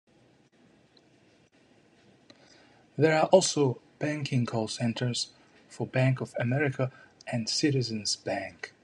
There are also banking call centers for Bank of America and Citizens Bank.